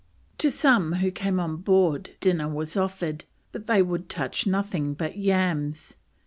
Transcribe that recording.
To some who came on board dinner was offered, but they would touch nothing but yams.